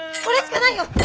これしかないよ。